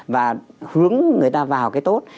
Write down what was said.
và hướng người ta vào cái tốt